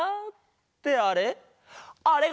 ってあれ？